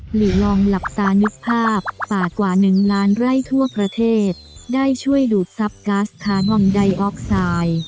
หลีลองหลับตานึกภาพป่ากว่าหนึ่งล้านไร่ทั่วประเทศได้ช่วยดูดทรัพย์กัสคาร์บอมไดออกไซด์